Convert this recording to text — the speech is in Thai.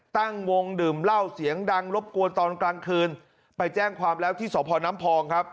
ตั้งวงดื่มเหล้าเสียงดังรบกวนตอนกลางคืนไปแจ้งความแล้วที่สพน้ำพองครับ